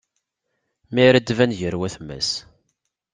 Mi ara d-tban gar watma-s.